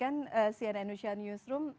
baik kita lanjutkan cnn newsroom